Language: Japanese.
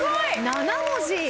７文字。